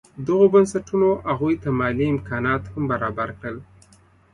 دغو بنسټونو هغوی ته مالي امکانات هم برابر کړل.